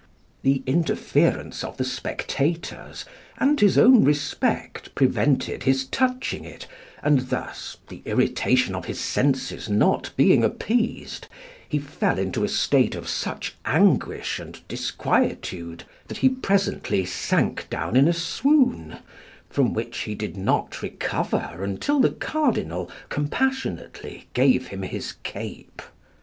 The interference of the spectators, and his own respect, prevented his touching it, and thus the irritation of his senses not being appeased, he fell into a state of such anguish and disquietude, that he presently sank down in a swoon, from which he did not recover until the Cardinal compassionately gave him his cape.